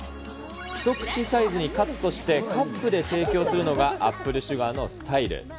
一口サイズにカットしてカップで提供するのがアップルシュガーのスタイル。